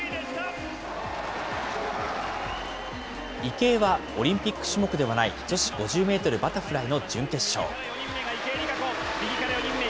池江はオリンピック種目ではない、女子５０メートルバタフライの準決勝。